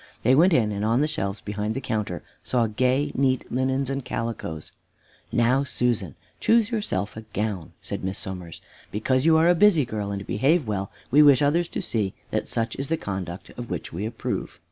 They went in, and on the shelves behind the counter saw gay, neat linens and calicoes. "Now, Susan, choose yourself a gown," said Miss Somers. "Because you are a busy girl and behave well, we wish others to see that such is the conduct we approve."